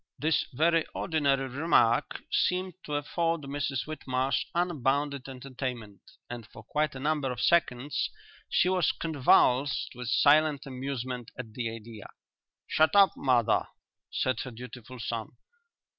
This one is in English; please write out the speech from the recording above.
This very ordinary remark seemed to afford Mrs Whitmarsh unbounded entertainment and for quite a number of seconds she was convulsed with silent amusement at the idea. "Shut up, mother," said her dutiful son.